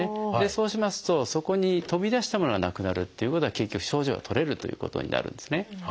そうしますとそこに飛び出したものがなくなるっていうことは結局症状が取れるということになるんですね。